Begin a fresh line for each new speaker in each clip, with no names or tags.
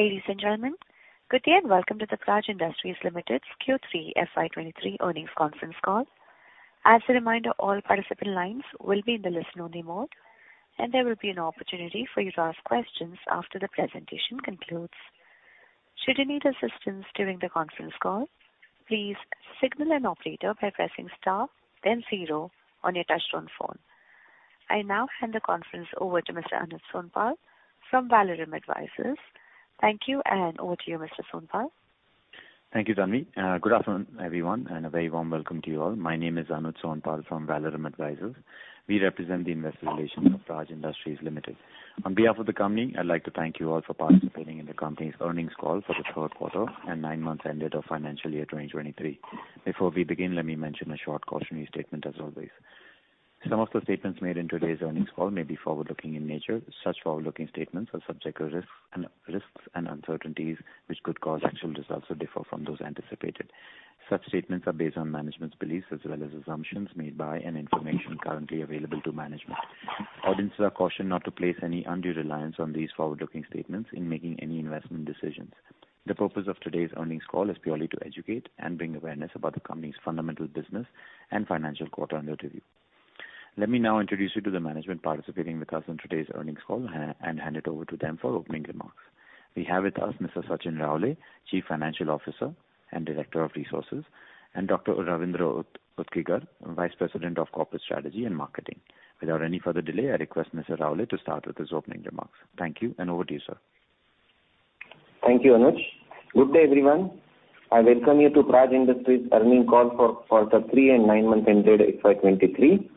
Ladies and gentlemen, good day and welcome to the Praj Industries Limited's Q3 FY23 Earnings Conference Call. As a reminder, all participant lines will be in the listen only mode. There will be an opportunity for you to ask questions after the presentation concludes. Should you need assistance during the conference call, please signal an operator by pressing star then zero on your touchtone phone. I now hand the conference over to Mr. Anuj Sonpal from Valorem Advisors. Thank you. Over to you, Mr. Sonpal.
Thank you, Tanvi. Good afternoon, everyone, and a very warm welcome to you all. My name is Anuj Sonpal from Valorem Advisors. We represent the investor relations of Praj Industries Limited. On behalf of the company, I'd like to thank you all for participating in the company's earnings call for the 3rd quarter and nine months ended of financial year 2023. Before we begin, let me mention a short cautionary statement as always. Some of the statements made in today's earnings call may be forward-looking in nature. Such forward-looking statements are subject to risk, and risks and uncertainties which could cause actual results to differ from those anticipated. Such statements are based on management's beliefs as well as assumptions made by and information currently available to management. Audiences are cautioned not to place any undue reliance on these forward-looking statements in making any investment decisions. The purpose of today's earnings call is purely to educate and bring awareness about the company's fundamental business and financial quarter under review. Let me now introduce you to the management participating with us on today's earnings call and hand it over to them for opening remarks. We have with us Mr. Sachin Raole, Chief Financial Officer and Director of Resources, and Dr. Ravindra Utgikar, Vice President of Corporate Strategy and Marketing. Without any further delay, I request Mr. Raole to start with his opening remarks. Thank you, and over to you, sir.
Thank you, Anuj. Good day, everyone. I welcome you to Praj Industries earnings call for quarter three and nine months ended FY23.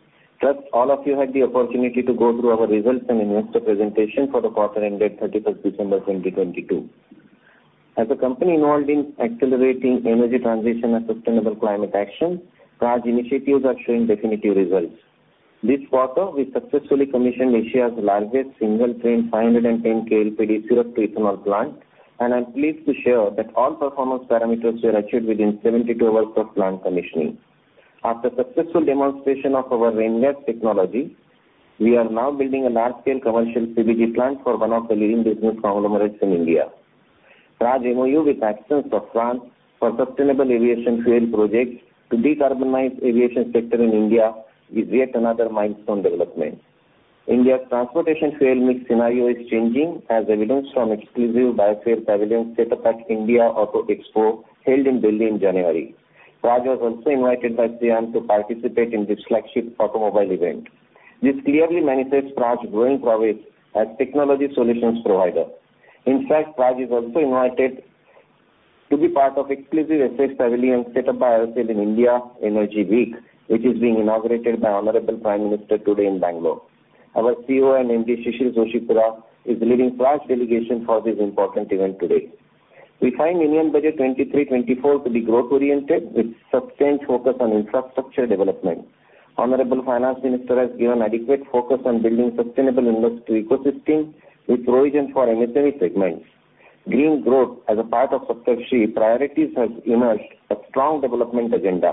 All of you had the opportunity to go through our results and investor presentation for the quarter ended 31st December 2022. As a company involved in accelerating Energy Transition and Climate Action, Praj initiatives are showing definitive results. This quarter, we successfully commissioned Asia's largest single train 510 KLPD syrup ethanol plant, and I'm pleased to share that all performance parameters were achieved within 72 hours of plant commissioning. After successful demonstration of our RenGas technology, we are now building a large scale commercial CBG plant for one of the leading business conglomerates in India. Praj MoU with Axens of France for Sustainable Aviation Fuel projects to decarbonize aviation sector in India is yet another milestone development. India's transportation fuel mix scenario is changing as evidenced from exclusive biofuel pavilion set up at Auto Expo held in Delhi in January. Praj was also invited by SIAM to participate in this flagship automobile event. This clearly manifests Praj's growing prowess as technology solutions provider. In fact, Praj is also invited to be part of exclusive SAF Pavilion set up by IOCL in India Energy Week, which is being inaugurated by Honorable Prime Minister today in Bangalore. Our CEO and MD, Shishir Joshipura, is leading Praj delegation for this important event today. We find Indian budget 2023-2024 to be growth oriented with sustained focus on infrastructure development. Honorable Finance Minister has given adequate focus on building sustainable industry ecosystem with provision for emissary segments. Green growth as a part of Saptarishi priorities has emerged a strong development agenda.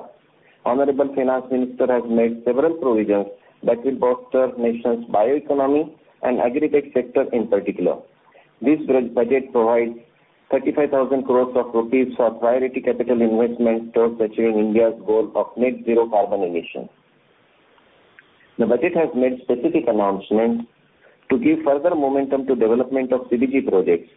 Honorable Finance Minister has made several provisions that will bolster nation's bioeconomy and aggregate sector in particular. This budget provides 35,000 crore rupees for priority capital investment towards achieving India's goal of net zero carbon emissions. The budget has made specific announcements to give further momentum to development of CBG projects.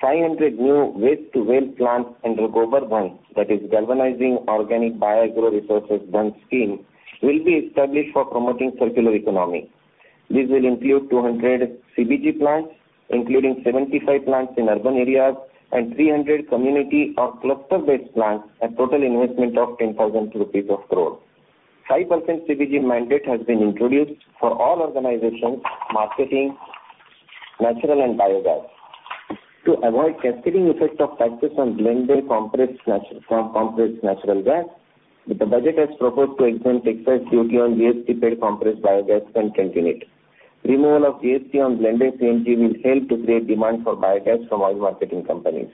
500 new waste to wealth plants under GOBARdhan, that is Galvanizing Organic Bio-Agro Resources Dhan scheme, will be established for promoting circular economy. This will include 200 CBG plants, including 75 plants in urban areas and 300 community or cluster-based plants at total investment of 10,000 crore rupees. 5% CBG mandate has been introduced for all organizations marketing natural and biogas. To avoid cascading effect of taxes on blended from compressed natural gas, the budget has proposed to exempt excise duty on GST paid compressed biogas when consumed. Removal of GST on blended CNG will help to create demand for biogas from oil marketing companies.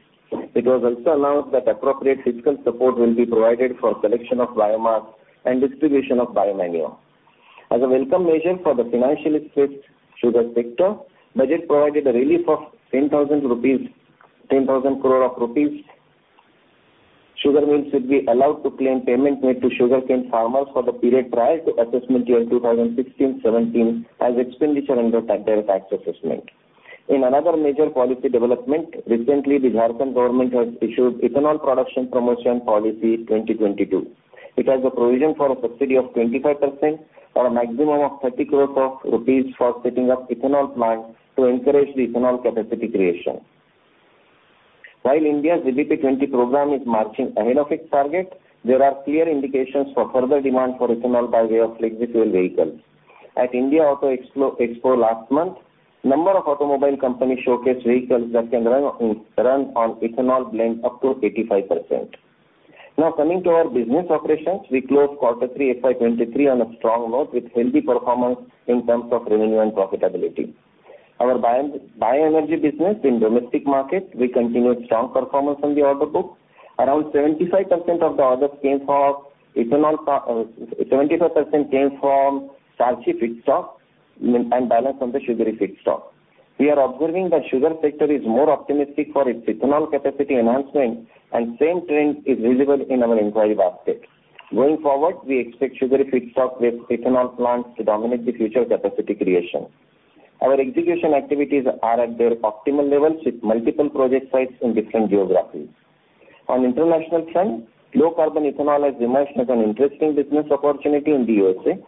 It was also announced that appropriate fiscal support will be provided for collection of biomass and distribution of bio-manure. As a welcome measure for the financially stressed sugar sector, budget provided a relief of 10,000 crore rupees. Sugar mills should be allowed to claim payment made to sugarcane farmers for the period prior to assessment year 2016-17 as expenditure under their tax assessment. In another major policy development, recently the Indian government has issued Ethanol Production Promotion Policy 2022. It has a provision for a subsidy of 25% or a maximum of 30 crore rupees for setting up ethanol plants to encourage the ethanol capacity creation. While India's EBP20 program is marching ahead of its target, there are clear indications for further demand for ethanol by way of flex-fuel vehicles. At India Auto Expo last month, number of automobile companies showcased vehicles that can run on ethanol blend up to 85%. Coming to our business operations, we closed quarter three FY 2023 on a strong note with healthy performance in terms of revenue and profitability. Our bioenergy business in domestic market, we continued strong performance on the order book. Around 75% of the orders came for ethanol, 75% came from statutory stocks and balance from the sugary feedstock. We are observing that sugar sector is more optimistic for its ethanol capacity enhancement, same trend is visible in our inquiry basket. Going forward, we expect sugary feedstock with ethanol plants to dominate the future capacity creation. Our execution activities are at their optimal levels with multiple project sites in different geographies. On international front, low carbon ethanol has emerged as an interesting business opportunity in the USA.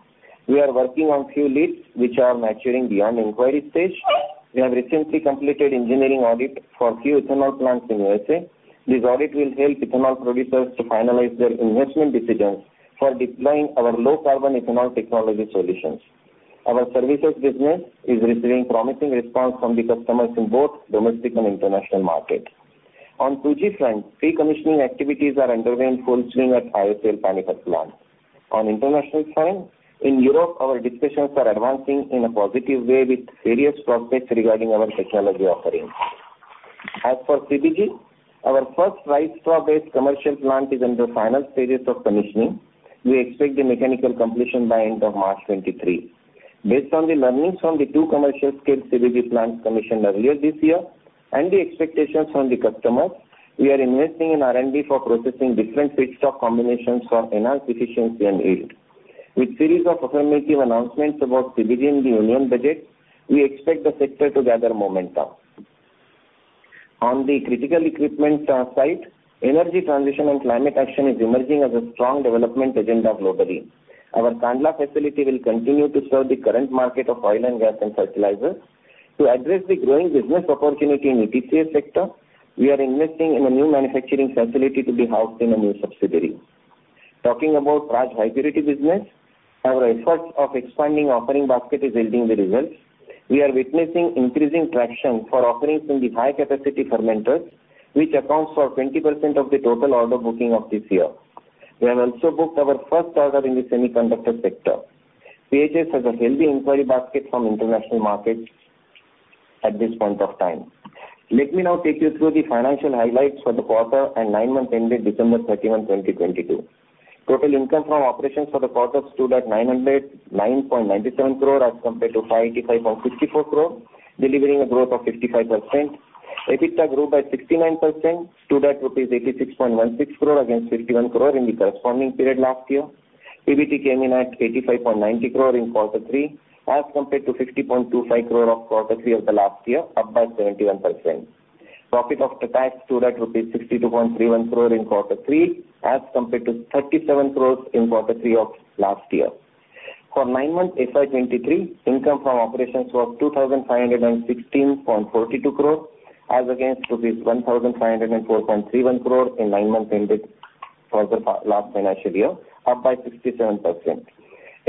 We are working on few leads which are maturing beyond inquiry stage. We have recently completed engineering audit for few ethanol plants in USA. This audit will help ethanol producers to finalize their investment decisions for deploying our low carbon ethanol technology solutions. Our services business is receiving promising response from the customers in both domestic and international markets. On 2G front, pre-commissioning activities are underway in full swing at IOCL Panipat plant. On international front, in Europe, our discussions are advancing in a positive way with various prospects regarding our technology offerings. As for CBG, our first rice straw-based commercial plant is in the final stages of commissioning. We expect the mechanical completion by end of March 2023. Based on the learnings from the two commercial scale CBG plants commissioned earlier this year and the expectations from the customers, we are investing in R&D for processing different feedstock combinations for enhanced efficiency and yield. With series of affirmative announcements about CBG in the union budget, we expect the sector to gather momentum. On the critical equipment side, energy transition and climate action is emerging as a strong development agenda globally. Our Kandla facility will continue to serve the current market of oil and gas and fertilizers. To address the growing business opportunity in ETCA sector, we are investing in a new manufacturing facility to be housed in a new subsidiary. Talking about Praj HiPurity business, our efforts of expanding offering basket is yielding the results. We are witnessing increasing traction for offerings in the high capacity fermenters, which accounts for 20% of the total order booking of this year. We have also booked our first order in the semiconductor sector. PHS has a healthy inquiry basket from international markets at this point of time. Let me now take you through the financial highlights for the quarter and 9-month ended December 31, 2022. Total income from operations for the quarter stood at 909.97 crore as compared to 585.54 crore, delivering a growth of 55%. EBITDA grew by 69%, stood at rupees 86.16 crore against 51 crore in the corresponding period last year. PBT came in at 85.90 crore in quarter three as compared to 60.25 crore of quarter three of the last year, up by 71%. Profit of tax stood at 62.31 crore in quarter three as compared to 37 crore in quarter three of last year. For nine months FY23, income from operations was 2,516.42 crore as against rupees 1,504.31 crore in nine months ended quarter for last financial year, up by 67%.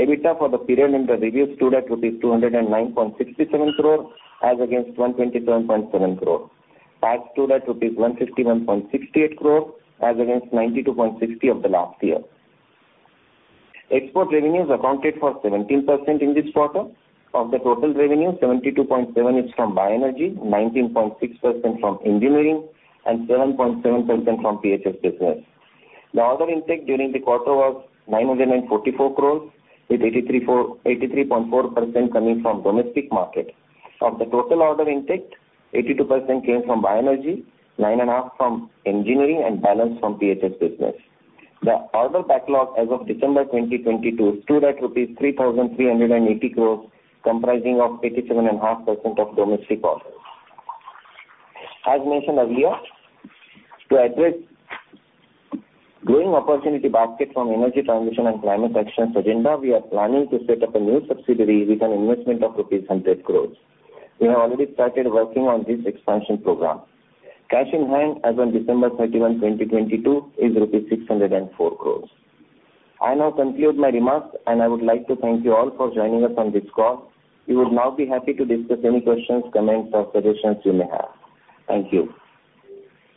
EBITDA for the period under review stood at rupees 209.67 crore as against 127.7 crore. Tax stood at rupees 151.68 crore as against 92.60 of the last year. Export revenues accounted for 17% in this quarter. Of the total revenue, 72.7% is from bioenergy, 19.6% from engineering, and 7.7% from PHS business. The order intake during the quarter was 944 crores, with 83.4% coming from domestic market. Of the total order intake, 82% came from bioenergy, 9.5% from engineering, and balance from PHS business. The order backlog as of December 2022 stood at rupees 3,380 crores, comprising of 87.5% of domestic orders. As mentioned earlier, to address growing opportunity basket from Energy Transition and Climate Action agenda, we are planning to set up a new subsidiary with an investment of rupees 100 crores. We have already started working on this expansion program. Cash in hand as on December 31, 2022 is 604 crores. I now conclude my remarks, and I would like to thank you all for joining us on this call. We would now be happy to discuss any questions, comments, or suggestions you may have. Thank you.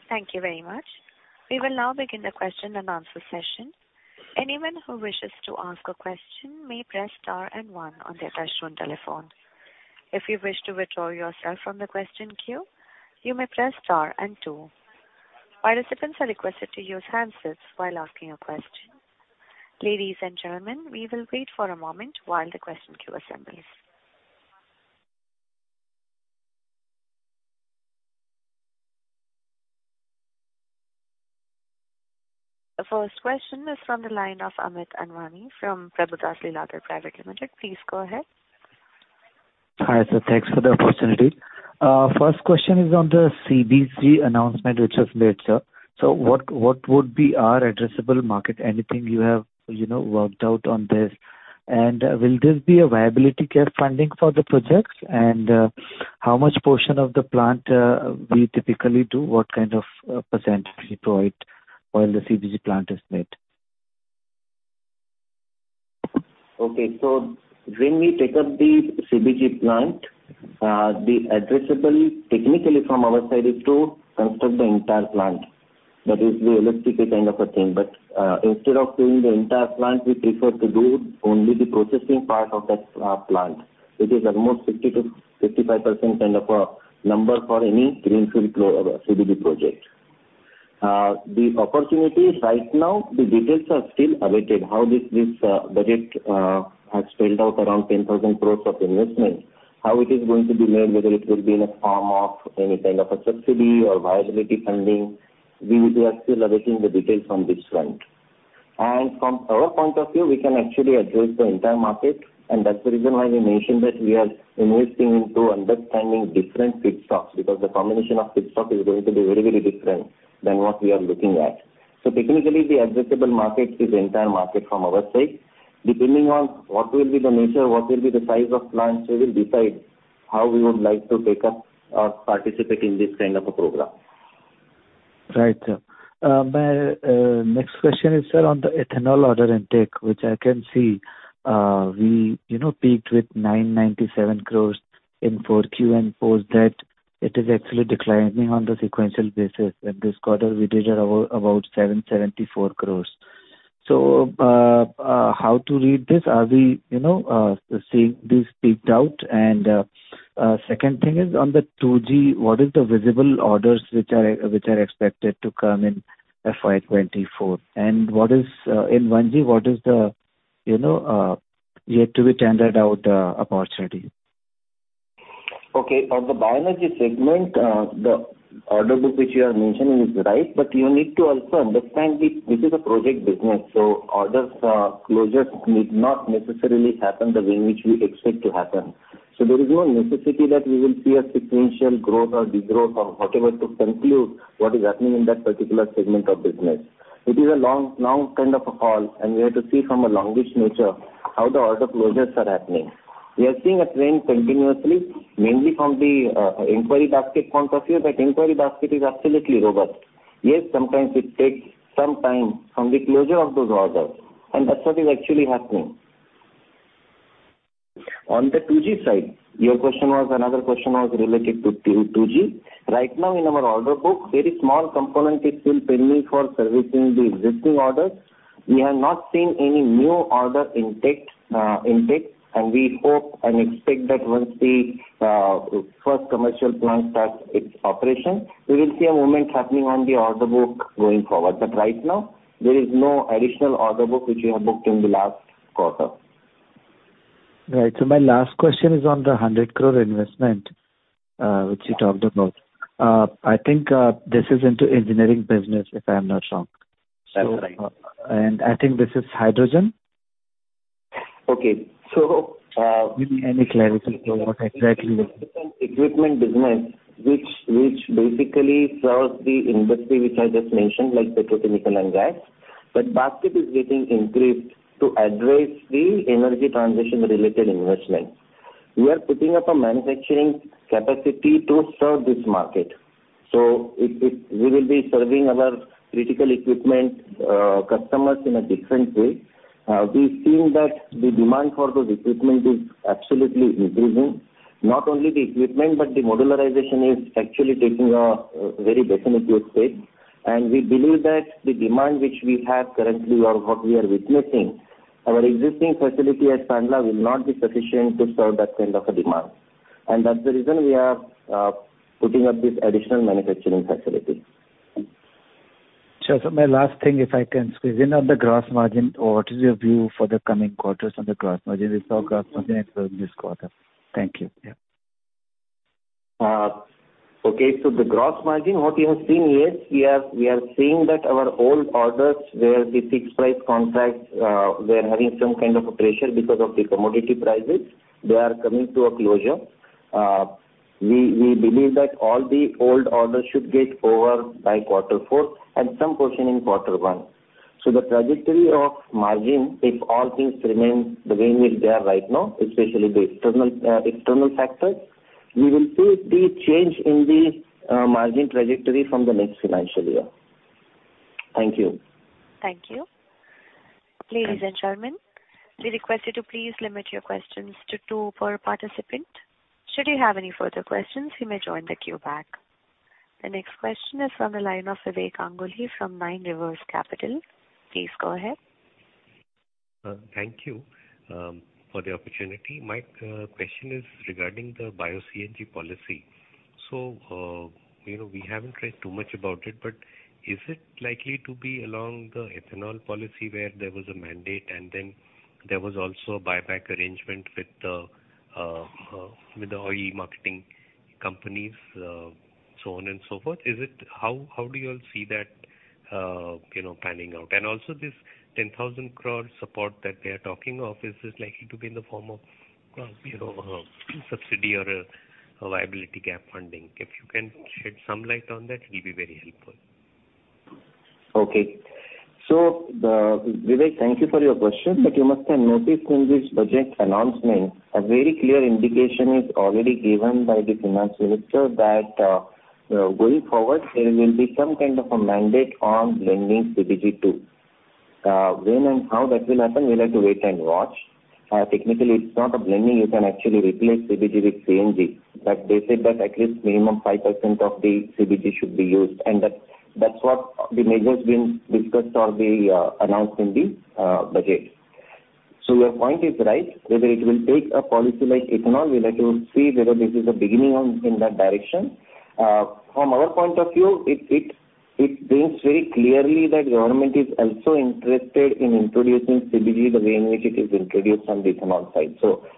Thank you very much. We will now begin the question and answer session. Anyone who wishes to ask a question may press star and one on their touch-tone telephone. If you wish to withdraw yourself from the question queue, you may press star and two. Our recipients are requested to use handsets while asking a question. Ladies and gentlemen, we will wait for a moment while the question queue assembles. The first question is from the line of Amit Anwani from Prabhudas Lilladher Private Limited. Please go ahead.
Hi, sir. Thanks for the opportunity. First question is on the CBG announcement which was made, sir. What would be our addressable market? Anything you have, you know, worked out on this? Will this be a viability care funding for the projects? How much portion of the plant we typically do? What kind of percentage we provide while the CBG plant is made?
Okay. When we take up the CBG plant, the addressable technically from our side is to construct the entire plant. That is the EPC kind of a thing. Instead of doing the entire plant, we prefer to do only the processing part of that plant, which is almost 50% to 55% kind of a number for any greenfield CBG project. The opportunities right now, the details are still awaited. How this budget has spelled out around 10,000 crore of investment, how it is going to be made, whether it will be in the form of any kind of a subsidy or viability funding. We are still awaiting the details from this front. From our point of view, we can actually address the entire market, and that's the reason why we mentioned that we are investing into understanding different feedstocks, because the combination of feedstock is going to be very, very different than what we are looking at. Technically, the addressable market is entire market from our side. Depending on what will be the nature, what will be the size of plants, we will decide how we would like to take up or participate in this kind of a program.
Right, sir. My next question is, sir, on the ethanol order intake, which I can see, we, you know, peaked with 997 crores in 4Q and post that it is actually declining on the sequential basis. In this quarter, we did about 774 crores. How to read this? Are we, you know, seeing this peaked out? Second thing is on the 2G, what is the visible orders which are expected to come in FY 2024? What is in 1G, what is the, you know, yet to be tendered out opportunity?
Okay. On the bioenergy segment, the order book which you are mentioning is right, but you need to also understand this is a project business, so orders, closures need not necessarily happen the way in which we expect to happen. There is no necessity that we will see a sequential growth or degrowth or whatever to conclude what is happening in that particular segment of business. It is a long, long kind of a haul, and we have to see from a longish nature how the order closures are happening. We are seeing a trend continuously, mainly from the inquiry basket point of view, that inquiry basket is absolutely robust. Yes, sometimes it takes some time from the closure of those orders, and that's what is actually happening. On the 2G side, your question was another question was related to 2G. Right now in our order book, very small component is still pending for servicing the existing orders. We have not seen any new order intake, and we hope and expect that once the first commercial plant starts its operation, we will see a movement happening on the order book going forward. Right now there is no additional order book which we have booked in the last quarter.
Right. My last question is on the 100 crore investment, which you talked about. I think this is into engineering business, if I'm not wrong.
That's right.
I think this is hydrogen.
Okay.
Give me any clarification on what exactly this.
Equipment business which basically serves the industry, which I just mentioned, like petrochemical and gas. Basket is getting increased to address the energy transition related investments. We are putting up a manufacturing capacity to serve this market, so we will be serving our critical equipment customers in a different way. We've seen that the demand for those equipment is absolutely increasing. Not only the equipment, but the modularization is actually taking a very definitive shape. We believe that the demand which we have currently or what we are witnessing, our existing facility at Kandla will not be sufficient to serve that kind of a demand. That's the reason we are putting up this additional manufacturing facility.
Sure, sir. My last thing, if I can squeeze in on the gross margin, or what is your view for the coming quarters on the gross margin? We saw gross margin explode this quarter. Thank you.
Okay. The gross margin, what you have seen, yes, we are seeing that our old orders, where the fixed price contracts were having some kind of a pressure because of the commodity prices. They are coming to a closure. We believe that all the old orders should get over by quarter four and some portion in quarter one. The trajectory of margin, if all things remain the way we are right now, especially the external factors, we will see the change in the margin trajectory from the next financial year.
Thank you.
Thank you.
Thanks.
Ladies and gentlemen, we request you to please limit your questions to two per participant. Should you have any further questions, you may join the queue back. The next question is from the line of Vivek Ganguly from Nine Rivers Capital. Please go ahead.
Thank you for the opportunity. My question is regarding the bio-CNG policy. You know, we haven't read too much about it, but is it likely to be along the ethanol policy where there was a mandate and then there was also a buyback arrangement with the OE marketing companies, so on and so forth. How, how do you all see that, you know, panning out? And also this 10,000 crores support that they are talking of, is this likely to be in the form of, you know, subsidy or a viability gap funding? If you can shed some light on that, it'll be very helpful.
Vivek, thank you for your question. You must have noticed in this budget announcement, a very clear indication is already given by the finance minister that going forward, there will be some kind of a mandate on blending CBG too. When and how that will happen, we'll have to wait and watch. Technically it's not a blending. You can actually replace CBG with CNG, but they said that at least minimum 5% of the CBG should be used, and that's what the measure has been discussed or announced in the budget. Your point is right, whether it will take a policy like ethanol. We'd like to see whether this is the beginning on, in that direction. From our point of view, it brings very clearly that government is also interested in introducing CBG the way in which it is introduced on the ethanol side.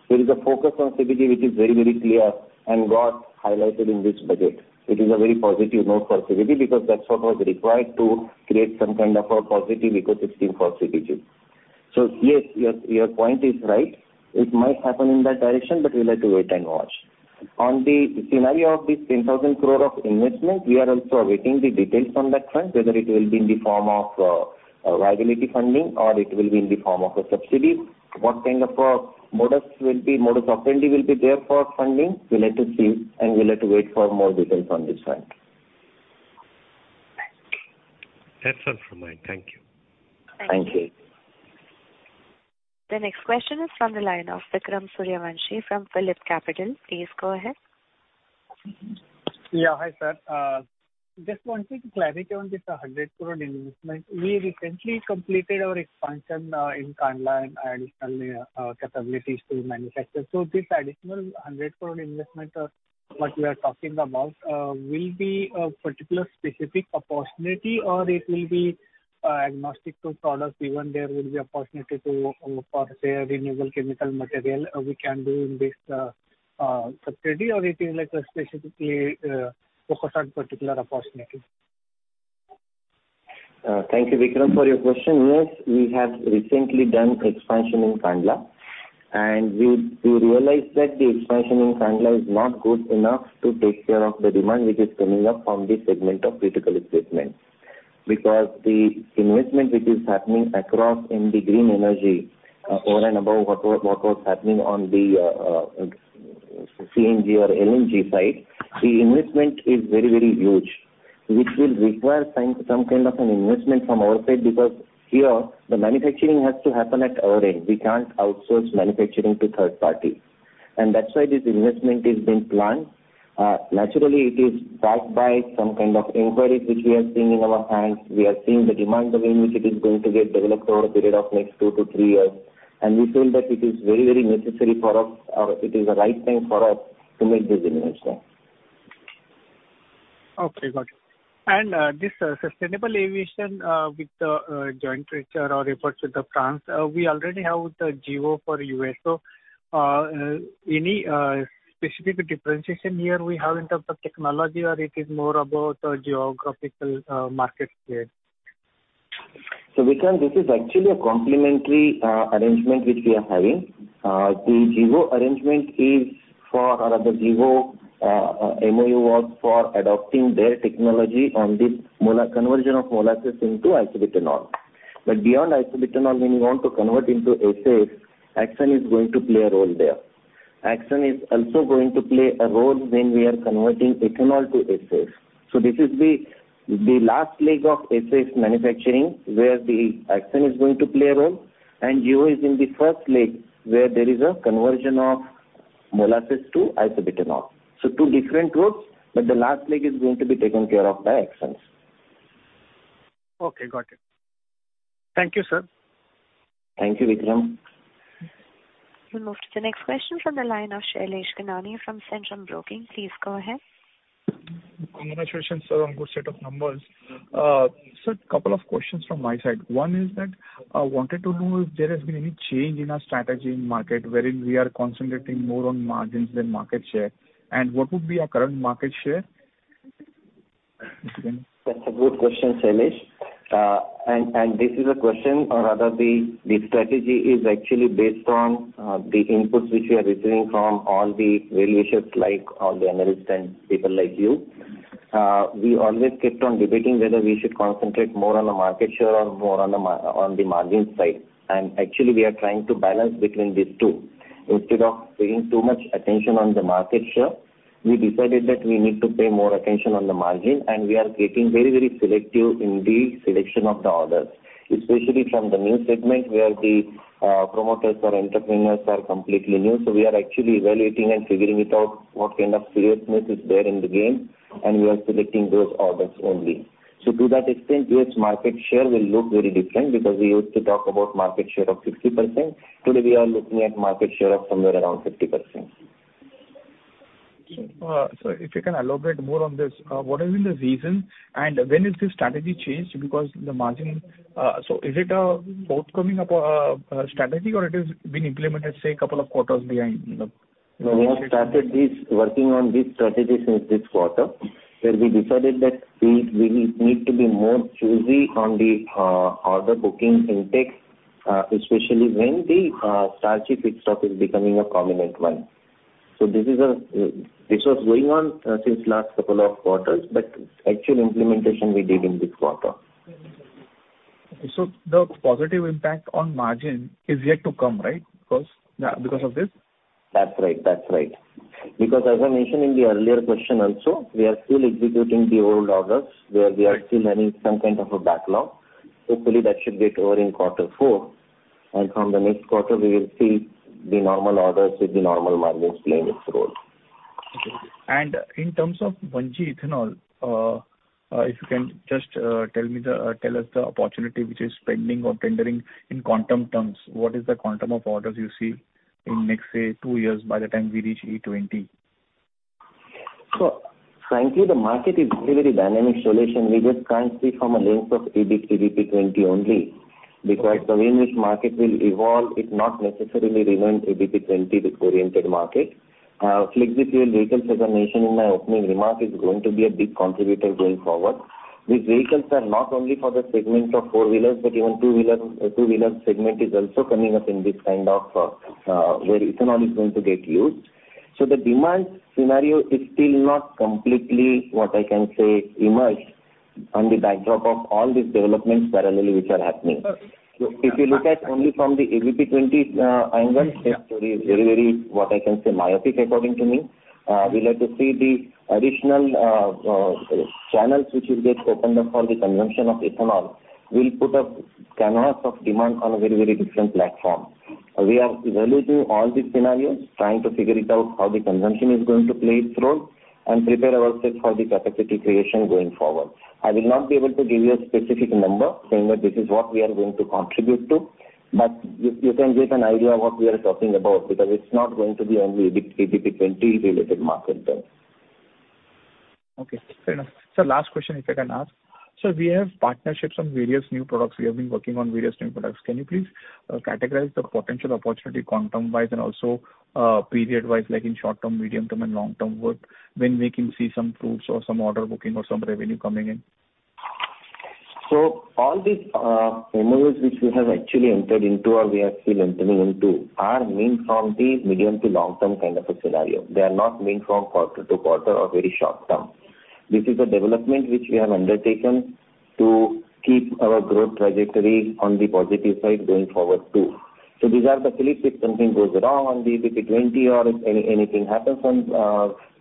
There is a focus on CBG which is very, very clear and got highlighted in this budget. It is a very positive note for CBG because that's what was required to create some kind of a positive ecosystem for CBG. Yes, your point is right. It might happen in that direction, but we'll have to wait and watch. On the scenario of this 10,000 crore of investment, we are also awaiting the details on that front, whether it will be in the form of viability funding or it will be in the form of a subsidy. What kind of modus operandi will be there for funding, we'll have to see, and we'll have to wait for more details on this front.
That's all from my end. Thank you.
Thank you.
Thank you. The next question is from the line of Vikram Suryavanshi from PhillipCapital. Please go ahead.
Hi, sir. Just wanted clarity on this 100 crore investment. We recently completed our expansion in Kandla and additionally, capabilities to manufacture. This additional 100 crore investment, what we are talking about, will be a particular specific opportunity or it will be agnostic to products even there will be opportunity to, for, say, a renewable chemical material we can do in this subsidy or it is like specifically focused on particular opportunity?
Thank you Vikram for your question. Yes, we have recently done expansion in Kandla, and we realized that the expansion in Kandla is not good enough to take care of the demand which is coming up from this segment of critical equipment because the investment which is happening across in the green energy, over and above what was happening on the CNG or LNG side. The investment is very huge, which will require some kind of an investment from our side because here the manufacturing has to happen at our end. We can't outsource manufacturing to third party and that's why this investment is being planned. Naturally it is backed by some kind of inquiries which we are seeing in our hands. We are seeing the demand the way in which it is going to get developed over a period of next two to three years and we feel that it is very, very necessary for us or it is the right time for us to make this investment.
Okay, got it. This sustainable aviation, with the, joint venture or efforts with the France, we already have the Gevo for U.S. Any specific differentiation here we have in terms of technology or it is more about geographical, market share?
Vikram, this is actually a complementary arrangement which we are having. The Gevo arrangement rather Gevo MoU was for adopting their technology on this mola-conversion of molasses into isobutanol. Beyond isobutanol when you want to convert into SAF, Axens is going to play a role there. Axens is also going to play a role when we are converting ethanol to SAF. This is the last leg of SAF manufacturing where the Axens is going to play a role and Gevo is in the first leg where there is a conversion of molasses to isobutanol. Two different routes, but the last leg is going to be taken care of by Axens.
Okay, got it. Thank you, sir.
Thank you, Vikram.
We'll move to the next question from the line of Shailesh Kanani from Centrum Broking. Please go ahead.
Congratulations, sir, on good set of numbers. Sir, couple of questions from my side. One is that I wanted to know if there has been any change in our strategy in market wherein we are concentrating more on margins than market share and what would be our current market share?
That's a good question, Shailesh. And this is a question or rather the strategy is actually based on the inputs which we are receiving from all the relationships like all the analysts and people like you. We always kept on debating whether we should concentrate more on the market share or more on the margin side and actually we are trying to balance between these two. Instead of paying too much attention on the market share, we decided that we need to pay more attention on the margin and we are getting very, very selective in the selection of the orders, especially from the new segment where the promoters or entrepreneurs are completely new. We are actually evaluating and figuring it out what kind of seriousness is there in the game and we are selecting those orders only. To that extent, yes, market share will look very different because we used to talk about market share of 60%. Today we are looking at market share of somewhere around 50%.
Sir, if you can elaborate more on this, what has been the reason and when is this strategy changed because the margin is it a forthcoming strategy or it is been implemented say couple of quarters behind?
We have started this, working on this strategy since this quarter where we decided that we need to be more choosy on the order booking intake, especially when the starchy feedstock is becoming a prominent one. This is a, this was going on since last couple of quarters but actual implementation we did in this quarter.
The positive impact on margin is yet to come, right? Because, because of this.
That's right. That's right. Because as I mentioned in the earlier question also we are still executing the old orders where we are still having some kind of a backlog. Hopefully that should get over in quarter four and from the next quarter we will see the normal orders with the normal margins playing its role.
Okay. In terms of 1G Ethanol, if you can just tell us the opportunity which is pending or tendering in quantum terms. What is the quantum of orders you see in next, say, two years by the time we reach E20?
Frankly, the market is very, very dynamic, Shailesh, and we just can't see from a lens of EBP20 only. The way in which market will evolve, it's not necessarily remain EBP20-oriented market. flex-fuel vehicles, as I mentioned in my opening remark, is going to be a big contributor going forward. These vehicles are not only for the segment of four-wheelers, but even two-wheeler segment is also coming up in this kind of, where ethanol is going to get used. The demand scenario is still not completely, what I can say, emerged on the backdrop of all these developments parallelly which are happening.
Sure.
If you look at only from the EBP20 angle it is very, very, what I can say, myopic according to me. We'll have to see the additional channels which will get opened up for the consumption of ethanol. We'll put a canvas of demand on a very, very different platform. We are evaluating all the scenarios, trying to figure it out how the consumption is going to play its role and prepare ourselves for the capacity creation going forward. I will not be able to give you a specific number saying that this is what we are going to contribute to, but you can get an idea what we are talking about because it's not going to be only EBP20 related market then.
Okay. Fair enough. Sir, last question if I can ask. We have partnerships on various new products. We have been working on various new products. Can you please categorize the potential opportunity quantum-wise and also period-wise, like in short term, medium term and long term, when we can see some fruits or some order booking or some revenue coming in?
All these MoUs which we have actually entered into or we are still entering into are meant from the medium to long term kind of a scenario. They are not meant from quarter to quarter or very short term. This is a development which we have undertaken to keep our growth trajectory on the positive side going forward too. These are the fillips if something goes wrong on the EBP20 or if anything happens and,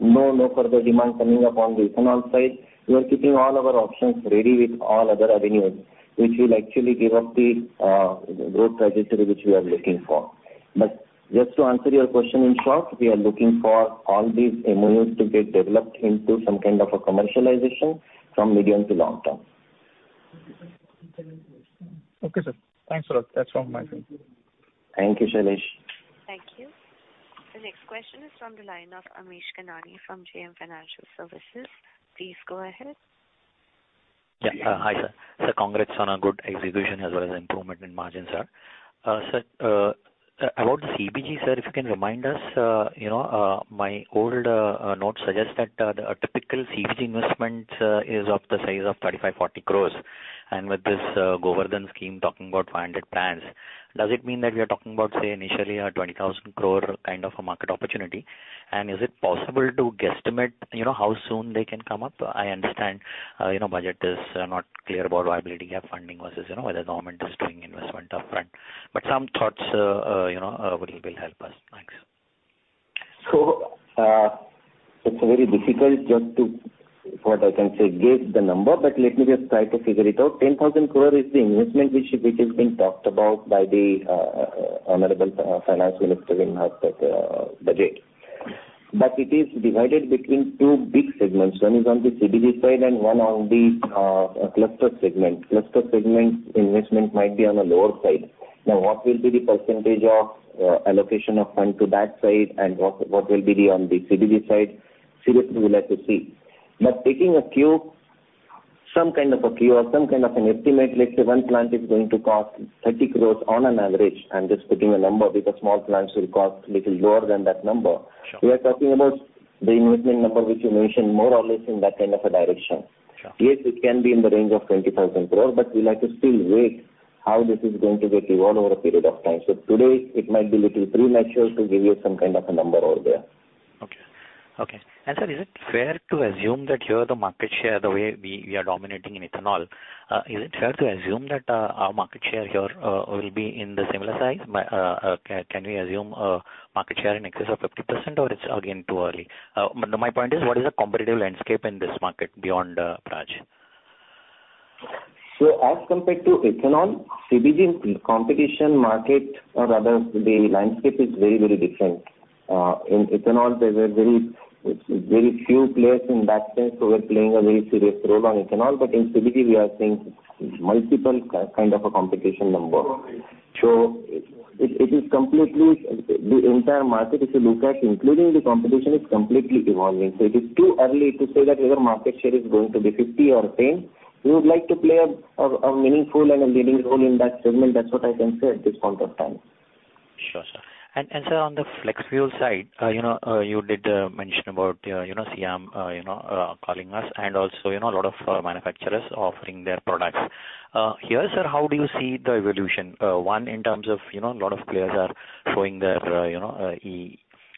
no further demand coming up on the ethanol side, we are keeping all our options ready with all other avenues which will actually give up the growth trajectory which we are looking for. Just to answer your question in short, we are looking for all these MOUs to get developed into some kind of a commercialization from medium to long term.
Okay, sir. Thanks a lot. That's all from my side.
Thank you, Shailesh.
Thank you. The next question is from the line of Amish Kanani from JM Financial Services. Please go ahead.
Yeah. Hi, sir. Sir, congrats on a good execution as well as improvement in margins, sir. Sir, about the CBG, sir, if you can remind us, you know, my old note suggests that the typical CBG investment is of the size of 35-40 crores. With this GOBARdhan scheme talking about 500 plants, does it mean that we are talking about, say, initially a 20,000 crore kind of a market opportunity? Is it possible to guesstimate, you know, how soon they can come up? I understand, you know, budget is not clear about viability, gap funding versus, you know, whether government is doing investment upfront. Some thoughts, you know, will help us. Thanks.
It's very difficult just to, what I can say, guess the number, but let me just try to figure it out. 10,000 crore is the investment which is being talked about by the honorable Finance Minister in her budget. It is divided between two big segments. One is on the CBG side and one on the cluster segment. Cluster segment investment might be on a lower side. What will be the percentage of allocation of fund to that side and what will be the on the CBG side, seriously we'll have to see. Taking a cue, some kind of a cue or some kind of an estimate, let's say one plant is going to cost 30 crore on an average. I'm just putting a number because small plants will cost little lower than that number.
Sure.
We are talking about the investment number which you mentioned more or less in that kind of a direction.
Sure.
Yes, it can be in the range of 20,000 crore. We'll have to still wait how this is going to get evolved over a period of time. Today it might be little premature to give you some kind of a number over there.
Okay. Sir, is it fair to assume that here the market share, the way we are dominating in ethanol, is it fair to assume that our market share here will be in the similar size? Can we assume market share in excess of 50% or it's again too early? My point is what is the competitive landscape in this market beyond Praj?
As compared to ethanol, CBG competition market or rather the landscape is very, very different. In ethanol there were very, very few players in that sense who were playing a very serious role on ethanol. In CBG we are seeing multiple kind of a competition number. It is completely, the entire market if you look at including the competition, is completely evolving. It is too early to say that whether market share is going to be 50 or 10. We would like to play a meaningful and a leading role in that segment. That's what I can say at this point of time.
Sure, sir. Sir, on the flex-fuel side, you know, you did mention about, you know, SIAM, you know, calling us and also, you know, a lot of manufacturers offering their products. Here, sir, how do you see the evolution? One, in terms of, you know, a lot of players are showing their, you know,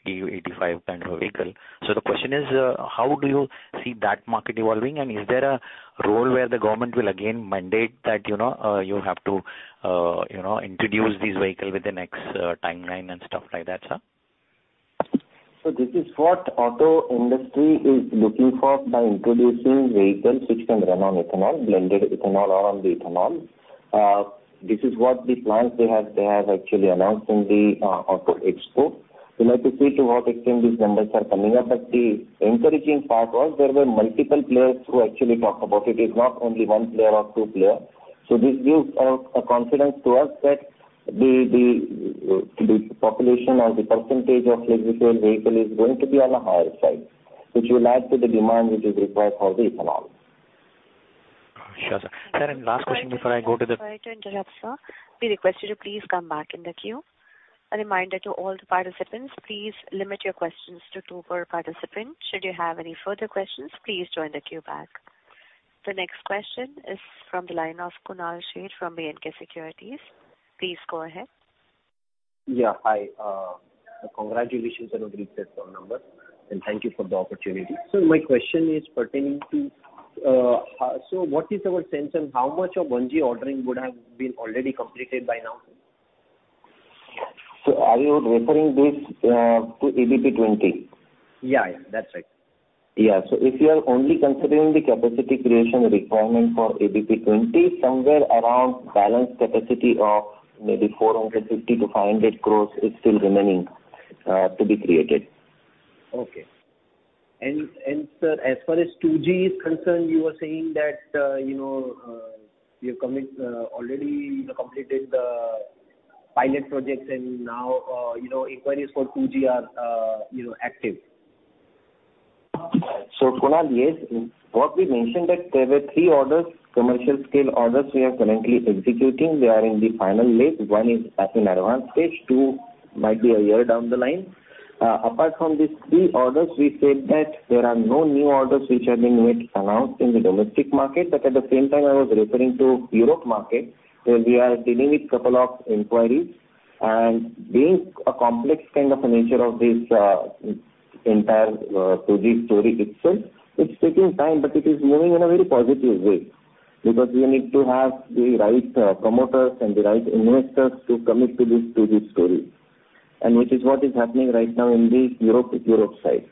E85 kind of a vehicle. The question is, how do you see that market evolving? Is there a role where the government will again mandate that, you know, you have to, you know, introduce this vehicle with the next timeline and stuff like that, sir?
This is what auto industry is looking for by introducing vehicles which can run on ethanol, blended ethanol or on the ethanol. This is what the plans they have, they have actually announced in the Auto Expo. We need to see to what extent these numbers are coming up. The encouraging part was there were multiple players who actually talk about it. It's not only one player or two player. This gives a confidence to us that the population or the % of electric vehicle is going to be on the higher side, which will add to the demand which is required for the economy.
Sure, sir. Sir, last question before I go.
Sorry to interrupt, sir. We request you to please come back in the queue. A reminder to all the participants, please limit your questions to two per participant. Should you have any further questions, please join the queue back. The next question is from the line of Kunal Sheth from B&K Securities. Please go ahead. Yeah. Hi. Congratulations on the good quarter number, and thank you for the opportunity. My question is pertaining to, what is our sense on how much of 1G ordering would have been already completed by now?
Are you referring this to EBP20?
Yeah, that's right.
If you are only considering the capacity creation requirement for EBP20, somewhere around balance capacity of maybe 450-500 crores is still remaining to be created.
Okay. Sir, as far as 2G is concerned, you were saying that, you know, you're already completed the pilot projects and now, you know, inquiries for 2G are, you know, active.
Kunal, yes. What we mentioned that there were three orders, commercial scale orders we are currently executing. They are in the final leg. One is at an advanced stage, two might be a year down the line. Apart from these three orders, we said that there are no new orders which have been made announced in the domestic market. At the same time, I was referring to Europe market, where we are dealing with couple of inquiries. Being a complex kind of a nature of this entire 2G story itself, it's taking time, but it is moving in a very positive way because we need to have the right promoters and the right investors to commit to this 2G story. Which is what is happening right now in the Europe side.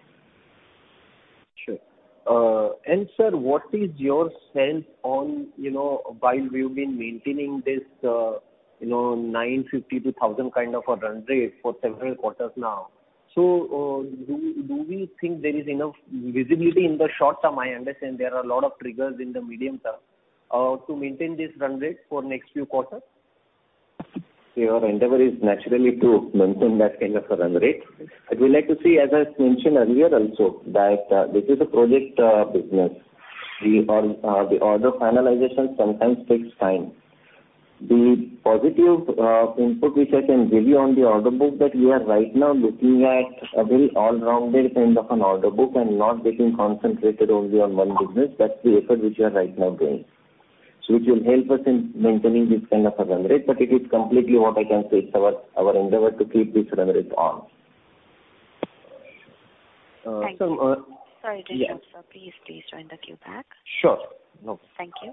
Sure. Sir, what is your sense on, you know, while we've been maintaining this, you know, 950 to 1,000 kind of a run rate for several quarters now. Do we think there is enough visibility in the short term, I understand there are a lot of triggers in the medium term, to maintain this run rate for next few quarters?
See our endeavor is naturally to maintain that kind of a run rate. I'd like to see, as I mentioned earlier also, that this is a project business. The order finalization sometimes takes time. The positive input which I can give you on the order book that we are right now looking at a very all-rounded kind of an order book and not getting concentrated only on one business. That's the effort which we are right now doing. Which will help us in maintaining this kind of a run rate. It is completely what I can say it's our endeavor to keep this run rate on.
So...
Thank you. Sorry to interrupt, sir.
Yeah.
Please join the queue back.
Sure. No.
Thank you.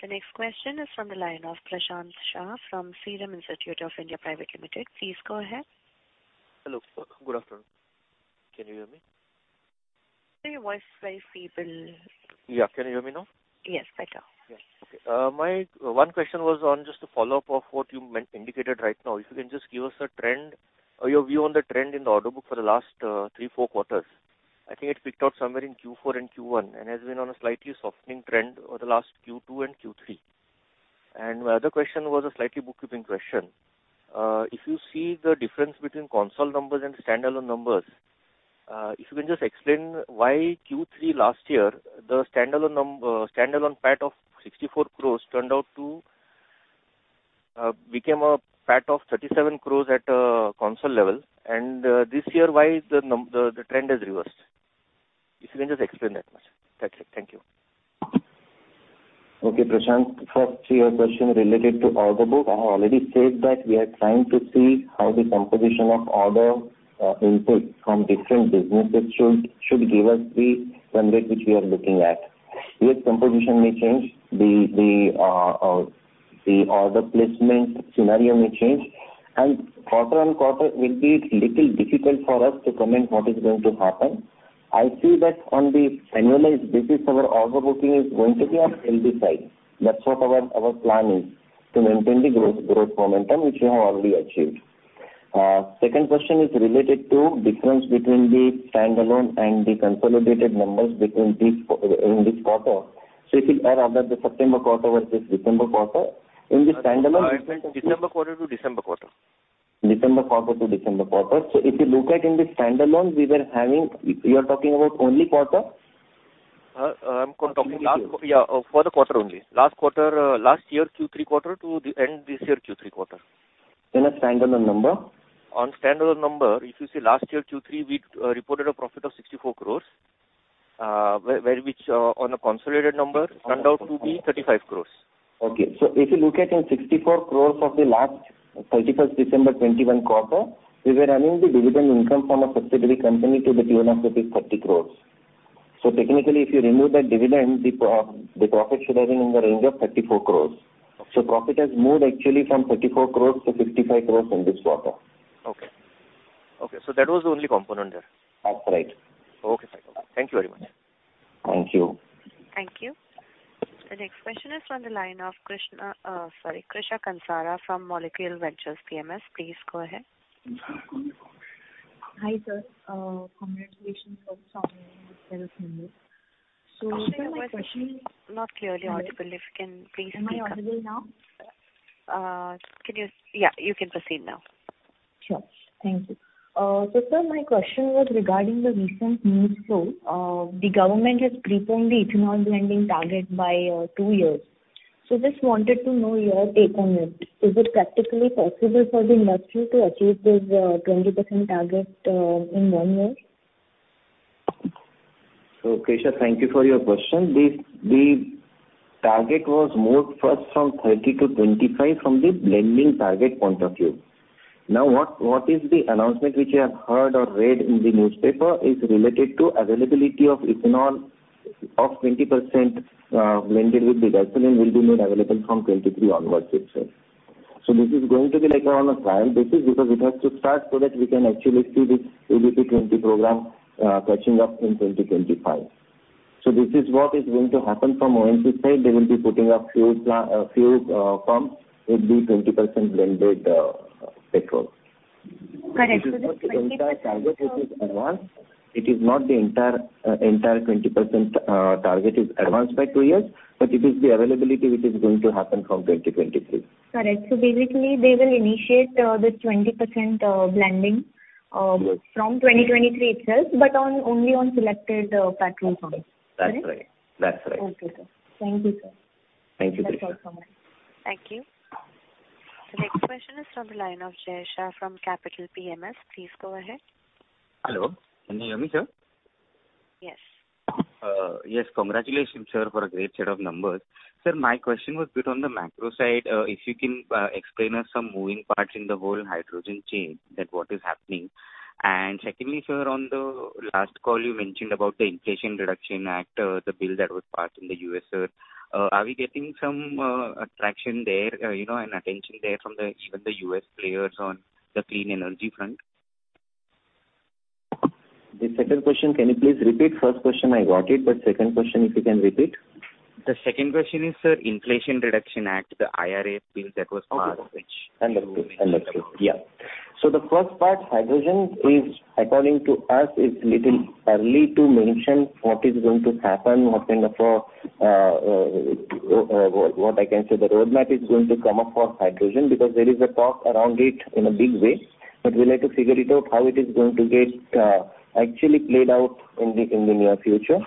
The next question is from the line of Prashant Shah from Serum Institute of India Private Limited. Please go ahead.
Hello. Good afternoon. Can you hear me?
Your voice is very feeble.
Yeah. Can you hear me now?
Yes, better.
Yes. Okay. My one question was on just a follow-up of what you indicated right now. If you can just give us a trend or your view on the trend in the order book for the last three, four quarters. I think it peaked out somewhere in Q4 and Q1 and has been on a slightly softening trend over the last Q2 and Q3. My other question was a slightly bookkeeping question. If you see the difference between console numbers and standalone numbers, if you can just explain why Q3 last year, the standalone PAT of 64 crores turned out to became a PAT of 37 crores at console level. This year, why the trend has reversed? If you can just explain that much. That's it. Thank you.
Okay, Prashant. First, to your question related to order book, I have already said that we are trying to see how the composition of order input from different businesses should give us the run rate which we are looking at. This composition may change. The order placement scenario may change. Quarter-on-quarter will be little difficult for us to comment what is going to happen. I see that on the annualized basis, our order booking is going to be on healthy side. That's what our plan is to maintain the growth momentum which we have already achieved. Second question is related to difference between the standalone and the consolidated numbers between these in this quarter. If you add up the September quarter versus December quarter, in the standalone-
December quarter to December quarter.
December quarter to December quarter. If you look at in the standalone. You are talking about only quarter?
I'm talking. Yeah, for the quarter only. Last quarter, last year's Q3 quarter to the end this year Q3 quarter.
In a standalone number?
On standalone number, if you see last year Q3, we reported a profit of 64 crores. Which on a consolidated number turned out to be 35 crores.
If you look at in 64 crores of the last 31st December 2021 quarter, we were earning the dividend income from a subsidiary company to the tune of rupees 30 crores. Technically, if you remove that dividend, the profit should have been in the range of 34 crores. Profit has moved actually from 34 crores to 55 crores in this quarter.
Okay. That was the only component there.
That's right.
Okay. Thank you very much.
Thank you.
Thank you. The next question is from the line of Krisha Kansara from Molecule Ventures PMS. Please go ahead.
Hi, sir. Congratulations on results.
Not clearly audible. If you can please speak up.
Am I audible now?
Yeah, you can proceed now.
Sure. Thank you. Sir, my question was regarding the recent news flow. The government has prepensed the ethanol blending target by two years. Just wanted to know your take on it. Is it practically possible for the industry to achieve this 20% target in one year?
Krisha, thank you for your question. The target was moved first from 30 to 25 from the blending target point of view. What is the announcement which you have heard or read in the newspaper is related to availability of ethanol of 20% blended with the gasoline will be made available from 2023 onwards itself. This is going to be like on a trial basis because it has to start so that we can actually see this EBP20 program catching up in 2025. This is what is going to happen from ONGC side. They will be putting up few pumps with the 20% blended petrol.
Correct.
It is not the entire target which is advanced. It is not the entire 20%, target is advanced by two years, but it is the availability which is going to happen from 2023.
Correct. Basically, they will initiate the 20% blending.
Yes.
from 2023 itself, but only on selected petrol pumps.
That's right.
Okay, sir. Thank Thank you, sir.
Thank you.
That's all from me.
Thank you. The next question is from the line of Jay Shah from Capital PMS. Please go ahead.
Hello. Can you hear me, sir?
Yes.
Yes. Congratulations, sir, for a great set of numbers. Sir, my question was bit on the macro side. If you can explain us some moving parts in the whole hydrogen chain, that what is happening. Secondly, sir, on the last call you mentioned about the Inflation Reduction Act, the bill that was passed in the U.S., sir. Are we getting some attraction there, you know, and attention there from the, even the U.S. players on the clean energy front?
The second question, can you please repeat? First question I got it, but second question, if you can repeat?
The second question is, sir, Inflation Reduction Act, the IRA bill that was passed.
Understood. Understood. The first part, hydrogen, is according to us, is little early to mention what is going to happen, what kind of, what I can say, the roadmap is going to come up for hydrogen because there is a talk around it in a big way. We'll have to figure it out how it is going to get actually played out in the near future.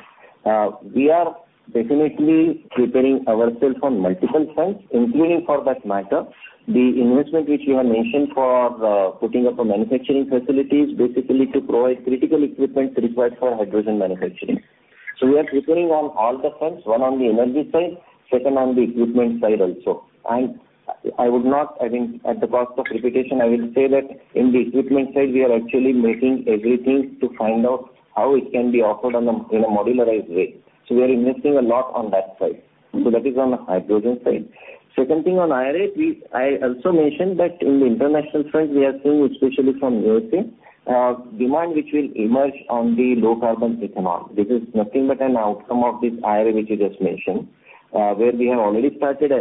We are definitely preparing ourselves on multiple fronts, including for that matter, the investment which you have mentioned for putting up a manufacturing facility is basically to provide critical equipment required for hydrogen manufacturing. We are preparing on all the fronts, one on the energy side, second on the equipment side also. I would not, I think at the cost of repetition, I will say that in the equipment side we are actually making everything to find out how it can be offered on a, in a modularized way. We are investing a lot on that side. That is on the hydrogen side. Second thing on IRA, we, I also mentioned that in the international front we are seeing, especially from USA, demand which will emerge on the low carbon ethanol. This is nothing but an outcome of this IRA which you just mentioned, where we have already started,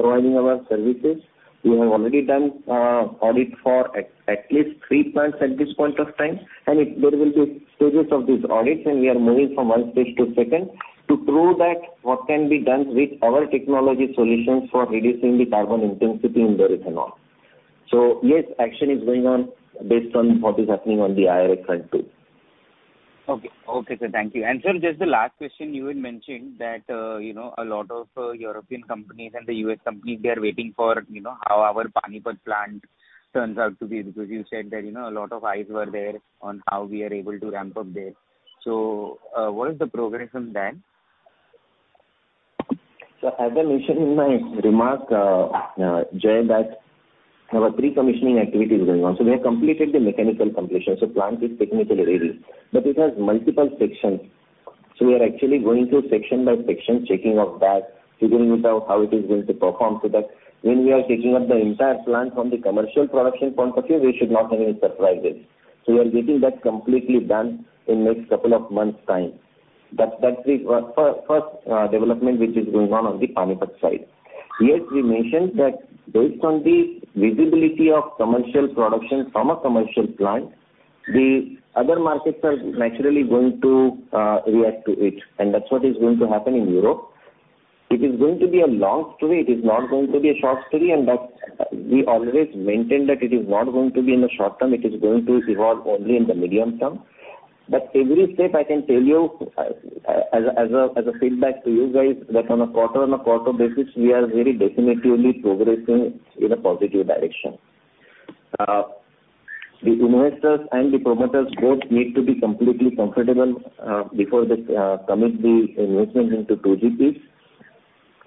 providing our services. We have already done, audit for at least three plants at this point of time. There will be stages of these audits, and we are moving from one stage to second to prove that what can be done with our technology solutions for reducing the carbon intensity in the ethanol. Yes, action is going on based on what is happening on the IRA front too.
Okay, sir. Thank you. Sir, just the last question, you had mentioned that, you know, a lot of European companies and the U.S. companies, they are waiting for, you know, how our Panipat plant turns out to be, because you said that, you know, a lot of eyes were there on how we are able to ramp up there. What is the progress on that?
As I mentioned in my remark, Jay, that our pre-commissioning activity is going on. We have completed the mechanical completion, so plant is technically ready. It has multiple sections. We are actually going through section by section checking of that, figuring it out how it is going to perform, so that when we are taking up the entire plant from the commercial production point of view, we should not have any surprises. We are getting that completely done in next couple of months time. That's the first development which is going on on the Panipat side. We mentioned that based on the visibility of commercial production from a commercial plant, the other markets are naturally going to react to it, and that's what is going to happen in Europe. It is going to be a long story. It is not going to be a short story. That we always maintain that it is not going to be in the short term, it is going to evolve only in the medium term. Every step I can tell you, as a feedback to you guys, that on a quarter-on-quarter basis, we are very definitively progressing in a positive direction. The investors and the promoters both need to be completely comfortable before they commit the investment into two GPs.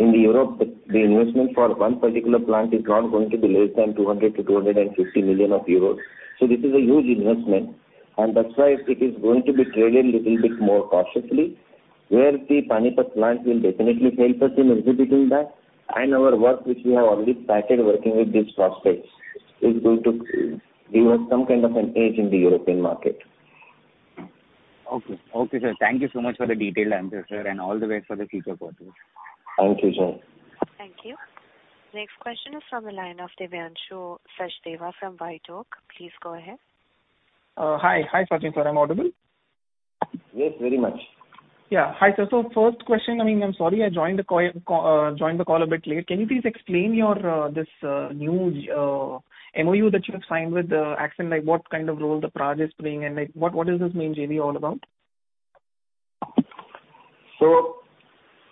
In Europe, the investment for one particular plant is not going to be less than 200 million to 250 million euros. This is a huge investment. That's why it is going to be traded little bit more cautiously, where the Panipat plant will definitely help us in exhibiting that, and our work which we have already started working with these prospects is going to give us some kind of an edge in the European market.
Okay. Okay, sir. Thank you so much for the detailed answer, sir, and all the best for the future quarters.
Thank you, sir.
Thank you. Next question is from the line of Divyanshu Sachdeva from White Oak. Please go ahead.
Hi, Sachin. Sir, I'm audible?
Yes, very much.
Yeah. Hi, sir. First question, I mean, I'm sorry, I joined the call a bit late. Can you please explain your this new MOU that you have signed with Axens? Like, what kind of role the Praj is playing, and, like, what is this means really all about?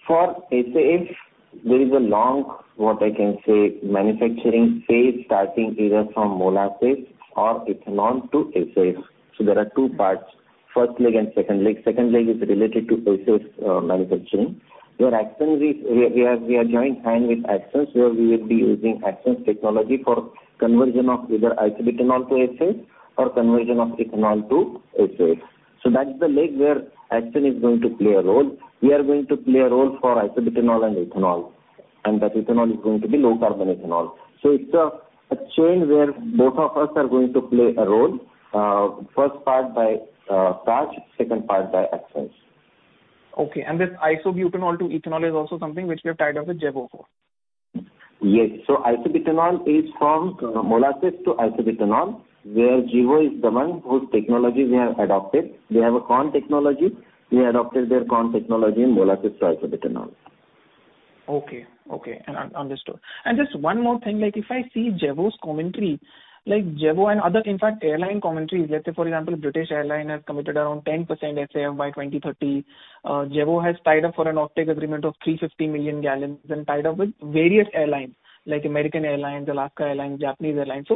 For SAF, there is a long, what I can say, manufacturing phase, starting either from molasses or ethanol to SAF. There are two parts, first leg and second leg. Second leg is related to SAF's manufacturing, where We are joined hand with Axens, where we will be using Axens' technology for conversion of either isobutanol to SAF or conversion of ethanol to SAF. That's the leg where Axens is going to play a role. We are going to play a role for isobutanol and ethanol, and that ethanol is going to be low carbon ethanol. It's a chain where both of us are going to play a role. First part by Praj, second part by Axens.
Okay. This isobutanol to ethanol is also something which we have tied up with Gevo for?
Yes. isobutanol is from molasses to isobutanol, where Gevo is the one whose technology we have adopted. They have a corn technology. We adopted their corn technology in molasses to isobutanol.
Okay. Under-understood. Just one more thing, if I see Gevo's commentary, Gevo and other airline commentary, British Airways has committed 10% SAF by 2030. Gevo has tied up for an offtake agreement of 350 million gallons and tied up with various airlines, American Airlines, Alaska Airlines, Japan Airlines.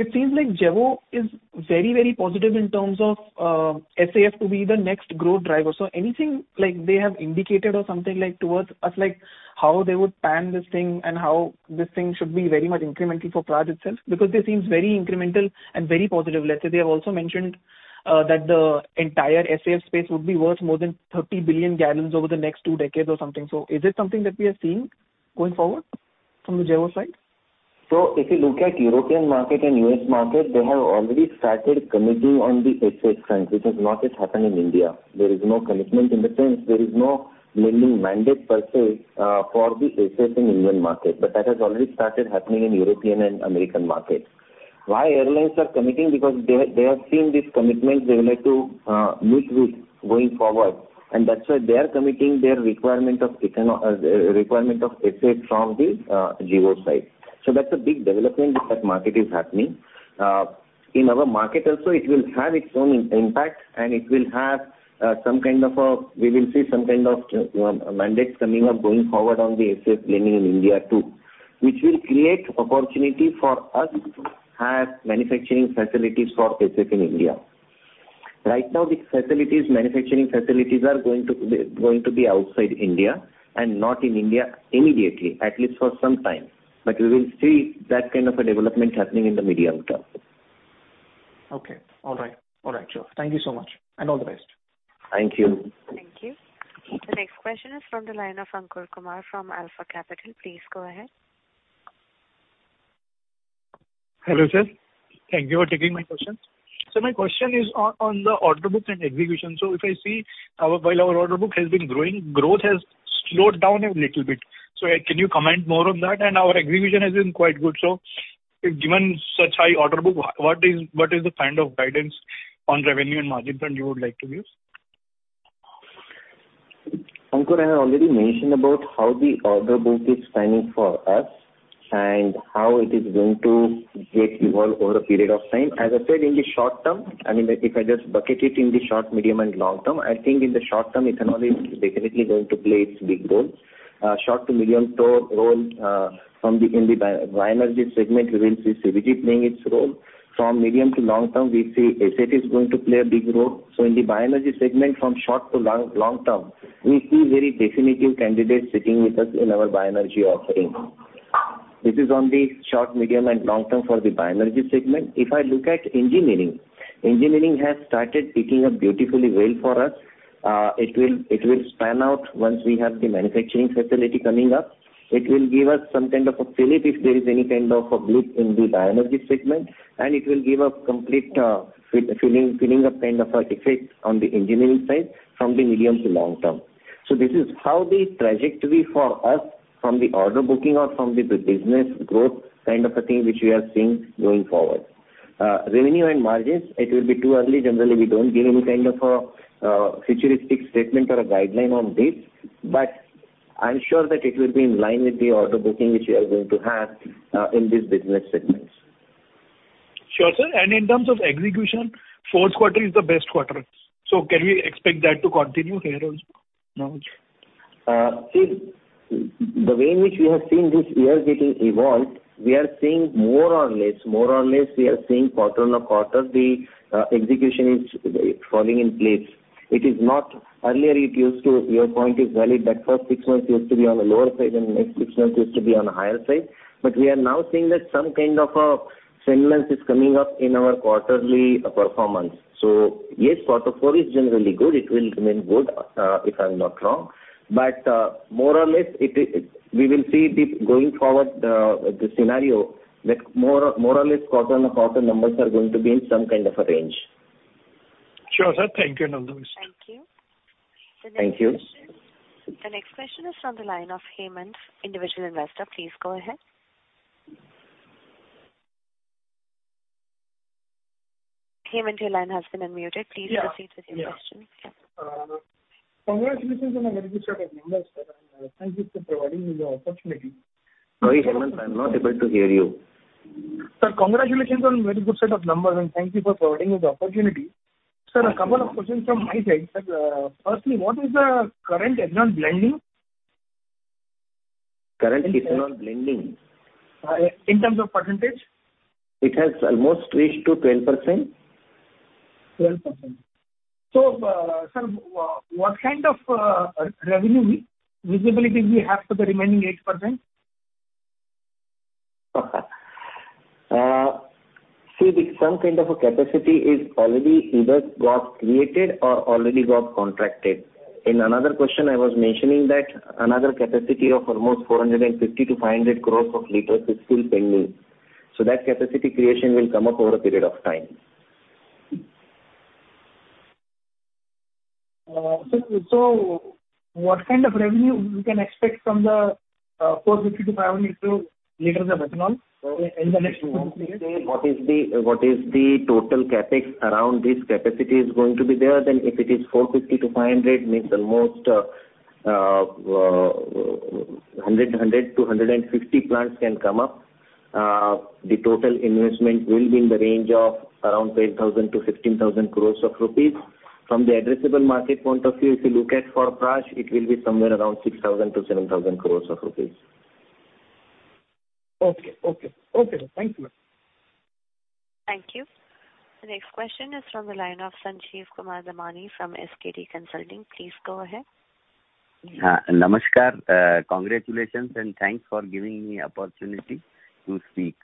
It seems Gevo is very, very positive in terms of SAF to be the next growth driver. Anything they have indicated or something towards us, how they would pan this thing and how this thing should be very much incremental for Praj itself? Because this seems very incremental and very positive. They have also mentioned that the entire SAF space would be worth more than 30 billion gallons over the next two decades. Is this something that we are seeing going forward from the Gevo side?
If you look at European market and U.S. market, they have already started committing on the SAF front, which has not yet happened in India. There is no commitment in the sense there is no blending mandate per se for the SAF in Indian market. That has already started happening in European and American markets. Why airlines are committing? Because they have seen this commitment they will have to meet with going forward, and that's why they are committing their requirement of SAF from the Gevo side. That's a big development that market is happening. In our market also, it will have its own impact, and we will see some kind of mandate coming up going forward on the SAF blending in India too, which will create opportunity for us to have manufacturing facilities for SAF in India. Right now, the facilities, manufacturing facilities are going to be outside India and not in India immediately, at least for some time. But we will see that kind of a development happening in the medium term.
Okay. All right, sure. Thank you so much, and all the best.
Thank you.
Thank you. The next question is from the line of Ankur Kumar from Alpha Capital. Please go ahead.
Hello, sir. Thank you for taking my question. My question is on the order book and execution. If I see our, while our order book has been growing, growth has slowed down a little bit. Can you comment more on that? Our execution has been quite good. If given such high order book, what is the kind of guidance on revenue and margins that you would like to give?
Ankur, I have already mentioned about how the order book is planning for us and how it is going to get evolved over a period of time. As I said, in the short term, I mean, if I just bucket it in the short, medium, and long term, I think in the short term, ethanol is definitely going to play its big role. Short to medium role, from the bioenergy segment, we will see CBG playing its role. From medium to long term, we see SAF is going to play a big role. In the bioenergy segment, from short to long term, we see very definitive candidates sitting with us in our bioenergy offering. This is on the short, medium, and long term for the bioenergy segment. If I look at engineering has started picking up beautifully well for us. it will span out once we have the manufacturing facility coming up. It will give us some kind of a fillip if there is any kind of a blip in the bioenergy segment, and it will give a complete filling up kind of a effect on the engineering side from the medium to long term. This is how the trajectory for us from the order booking or from the business growth kind of a thing which we are seeing going forward. Revenue and margins, it will be too early. Generally, we don't give any kind of a futuristic statement or a guideline on this, but I'm sure that it will be in line with the order booking which we are going to have in these business segments.
Sure, sir. In terms of execution, fourth quarter is the best quarter. Can we expect that to continue here also now?
See, the way in which we have seen this year getting evolved, we are seeing more or less, more or less we are seeing quarter-on-quarter the execution is falling in place. It is not, earlier it used to, your point is valid, that first six months used to be on the lower side and next six months used to be on the higher side. We are now seeing that some kind of a semblance is coming up in our quarterly performance. So yes, quarter four is generally good. It will remain good, if I'm not wrong. More or less it we will see the going forward, the scenario that more or less quarter-on-quarter numbers are going to be in some kind of a range.
Sure, sir. Thank you.
Thank you.
Thank you.
The next question is from the line of Hemant, individual investor. Please go ahead. Hemant, your line has been unmuted.
Yeah.
Please proceed with your question.
Congratulations on a very good set of numbers, sir, and thank you for providing me the opportunity.
Sorry, Hemant, I'm not able to hear you.
Sir, congratulations on very good set of numbers, and thank you for providing this opportunity. Sir, a couple of questions from my side. Sir, firstly, what is the current ethanol blending?
Current ethanol blending.
In terms of percentage.
It has almost reached to 12%.
12%. Sir, what kind of revenue visibility we have for the remaining 8%?
See, the some kind of a capacity is already either got created or already got contracted. In another question, I was mentioning that another capacity of almost 450-500 crores of liters is still pending. That capacity creation will come up over a period of time.
What kind of revenue we can expect from the 450 to 500 crore liters of ethanol in the next 1-2 years?
What is the total CapEx around this capacity is going to be there? If it is 450-500, means almost 100 to 150 plants can come up. The total investment will be in the range of around 10,000-15,000 crore rupees. From the addressable market point of view, if you look at for Praj, it will be somewhere around 6,000-7,000 crore rupees.
Okay. Thank you.
Thank you. The next question is from the line of Sanjeev Kumar Damani from SKD Consulting. Please go ahead.
Namaskar. Congratulations and thanks for giving me opportunity to speak.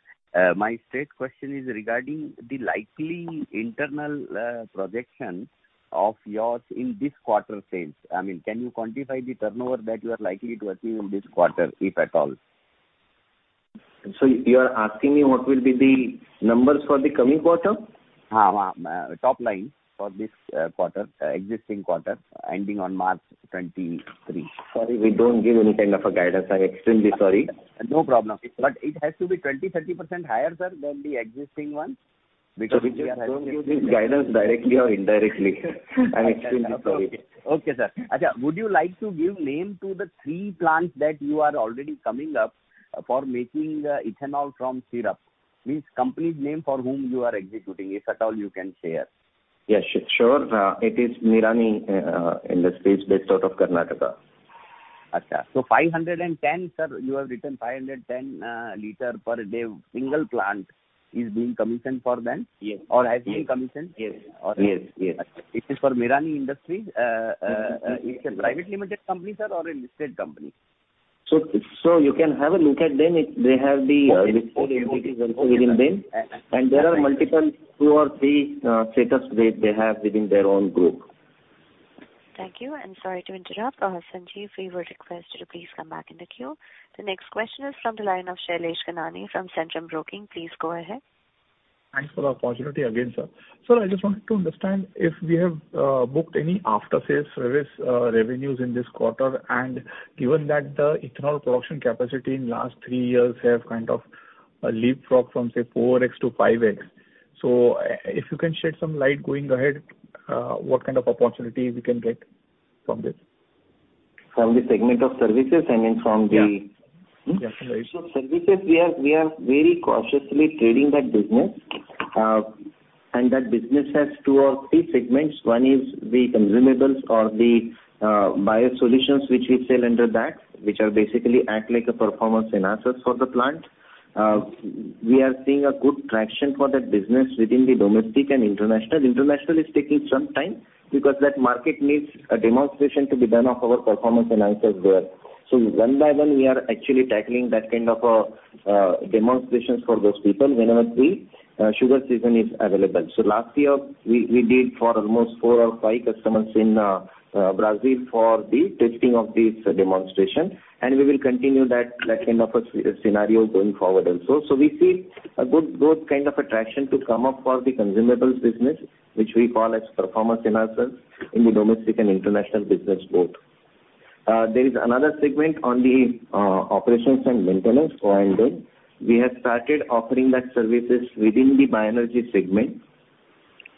My straight question is regarding the likely internal projection of yours in this quarter sales. I mean, can you quantify the turnover that you are likely to achieve in this quarter, if at all?
You are asking me what will be the numbers for the coming quarter?
Top line for this quarter, existing quarter ending on March 23.
Sorry, we don't give any kind of a guidance. I'm extremely sorry.
No problem. It has to be 20%, 30% higher, sir, than the existing one because we are.
Sir, we just don't give this guidance directly or indirectly. I'm extremely sorry.
Okay. Okay, sir. Acha, would you like to give name to the three plants that you are already coming up for making ethanol from syrup? Means company name for whom you are executing, if at all you can share?
Yes, sure. It is Nirani Industries based out of Karnataka.
Acha. 510, sir, you have written 510 liter per day single plant is being commissioned for them?
Yes.
Has been commissioned?
Yes.
It is for Nirani Sugars Limited. It's a private limited company, sir, or a listed company?
You can have a look at them. They have the-
Okay.
-listed entities also within them. There are multiple, two or three, setups they have within their own group.
Thank you, sorry to interrupt. Sanjeev, we will request you to please come back in the queue. The next question is from the line of Shailesh Kanani from Centrum Broking. Please go ahead.
Thanks for the opportunity again, sir. Sir, I just wanted to understand if we have booked any after-sales service revenues in this quarter. Given that the ethanol production capacity in last three years have kind of a leapfrog from, say, 4x to 5x, if you can shed some light going ahead, what kind of opportunities we can get from this?
From the segment of services, I mean.
Yeah. Yeah, services.
Services, we are very cautiously treading that business. That business has two or three segments. One is the consumables or the biosolutions which we sell under that, which are basically act like a performance enhancers for the plant. We are seeing a good traction for that business within the domestic and international. International is taking some time because that market needs a demonstration to be done of our performance enhancers there. One by one, we are actually tackling that kind of a demonstrations for those people whenever the sugar season is available. Last year we did for almost four or five customers in Brazil for the testing of these demonstration, and we will continue that kind of a scenario going forward also. We see a good kind of attraction to come up for the consumables business, which we call as performance enhancers in the domestic and international business both. There is another segment on the operations and maintenance, O&M. We have started offering that services within the bioenergy segment,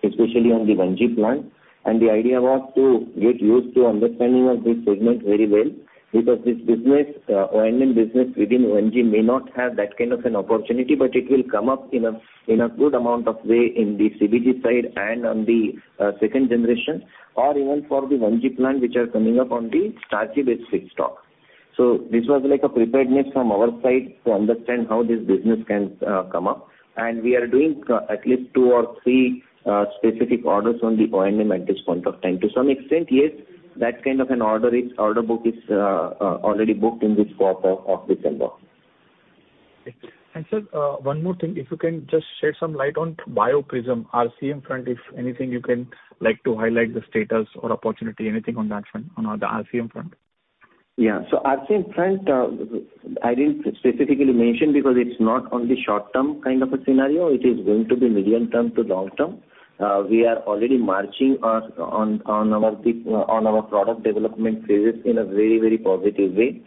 especially on the 1G plant. The idea was to get used to understanding of this segment very well because this business, O&M business within 1G may not have that kind of an opportunity, but it will come up in a good amount of way in the CBG side and on the second generation or even for the 1G plant which are coming up on the starchy-based feedstock. This was like a preparedness from our side to understand how this business can come up. We are doing at least two or three specific orders on the O&M at this point of time. To some extent, yes, that kind of an order book is already booked in this quarter of December.
Sir, one more thing. If you can just shed some light on Bio-Prism RCM front, if anything you can like to highlight the status or opportunity, anything on that front, on the RCM front?
Yeah. RCM front, I didn't specifically mention because it's not on the short term kind of a scenario. It is going to be medium term to long term. We are already marching on our product development phases in a very, very positive way.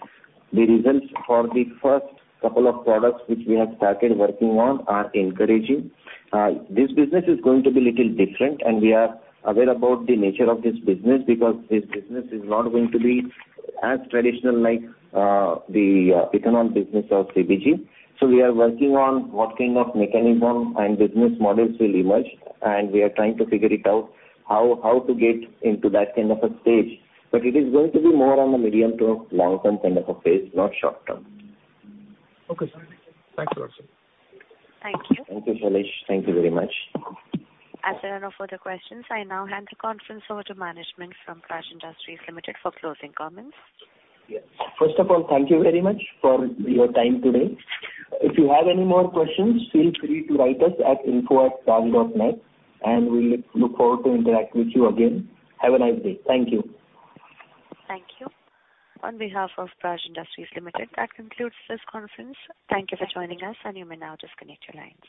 The results for the first couple of products which we have started working on are encouraging. This business is going to be little different and we are aware about the nature of this business because this business is not going to be as traditional like the ethanol business or CBG. We are working on what kind of mechanism and business models will emerge, and we are trying to figure it out, how to get into that kind of a stage. It is going to be more on a medium to long term kind of a phase, not short term.
Okay, sir. Thanks a lot, sir.
Thank you.
Thank you, Shailesh. Thank you very much.
As there are no further questions, I now hand the conference over to management from Praj Industries Limited for closing comments.
Yes. First of all, thank you very much for your time today. If you have any more questions, feel free to write us at info@praj.net and we look forward to interacting with you again. Have a nice day. Thank you.
Thank you. On behalf of Praj Industries Limited, that concludes this conference. Thank you for joining us. You may now disconnect your lines.